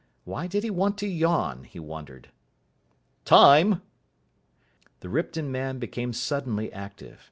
Why did he want to yawn, he wondered. "Time!" The Ripton man became suddenly active.